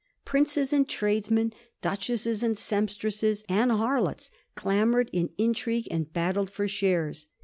Princes and tradesmen, duch esses and sempstresses and harlots, clamoured, in trigued, and battled for shares.